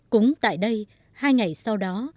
cũng tại đây hai ngày sau đó